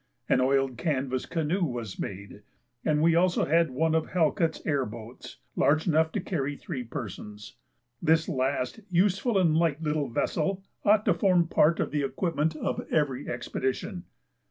An oiled canvass canoe was made, and we also had one of Halkett's air boats, large enough to carry three persons. This last useful and light little vessel ought to form part of the equipment of every expedition.